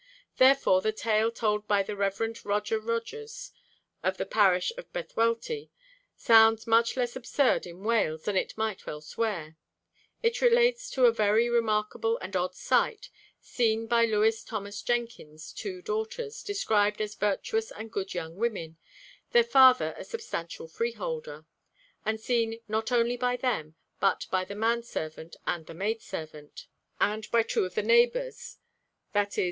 Therefore the tale told by Rev. Roger Rogers, of the parish of Bedwellty, sounds much less absurd in Wales than it might elsewhere. It relates to a very remarkable and odd sight, seen by Lewis Thomas Jenkin's two daughters, described as virtuous and good young women, their father a substantial freeholder; and seen not only by them but by the man servant and the maid servant, and by two of the neighbours, viz.